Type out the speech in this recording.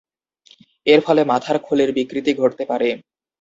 এর ফলে মাথার খুলির বিকৃতি ঘটতে পারে।